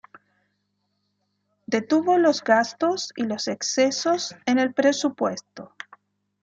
Detuvo los gastos y los excesos en el presupuesto.